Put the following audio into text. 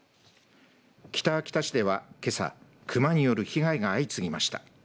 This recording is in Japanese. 北秋田市ではけさ熊による被害が相次ぎました。